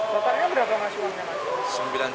totalnya berapa masing masing